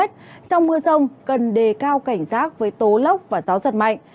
trong mưa rông cần đề cao cảnh giác với tố lốc và gió giật mạnh